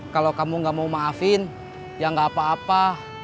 kalo kamu gak mau maafin ya gak apa apa